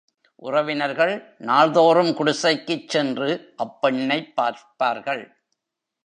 உறவினர்கள் நாள் தோறும் குடிசைக்குச் சென்று அப்பெண்ணைப் பார்ப்பார்கள்.